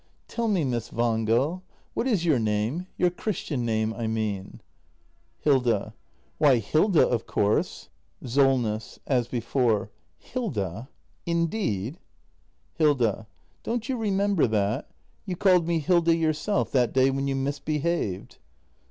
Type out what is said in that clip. ] Tell me, Miss Wangel — what is your name ? Your Christian name, I mean ? Hilda. Why, Hilda, of course. Solness. [As before.] Hilda? Indeed? Hilda. Don't you remember that ? You called me Hilda yourself — that day when you misbehaved.